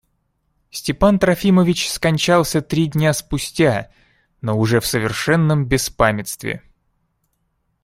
Степан Трофимович скончался три дня спустя, но уже в совершенном беспамятстве.